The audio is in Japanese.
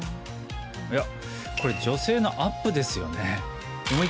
いやこれ女性のアップですよね？